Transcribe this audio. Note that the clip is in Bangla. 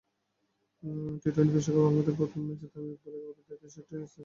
টি-টোয়েন্টি বিশ্বকাপে আমাদের প্রথম ম্যাচে তামিম ইকবালের খুবই দায়িত্বশীল একটা ইনিংস দেখলাম।